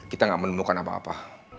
kita nggak menemukan apa apa